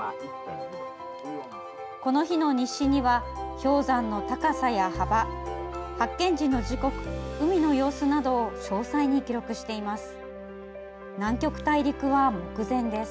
この日の日誌には氷山の高さや幅、発見時の時刻海の様子などを詳細に記録しています。